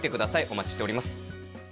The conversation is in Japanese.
お待ちしております